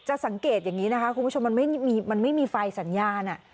สังเกตอย่างนี้นะคะคุณผู้ชมมันไม่มีไฟสัญญาณ